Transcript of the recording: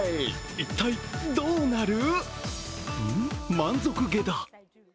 一体どうなる？